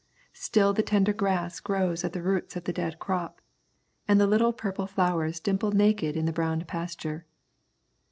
Still the tender grass grows at the roots of the dead crop, and the little purple flowers dimple naked in the brown pasture.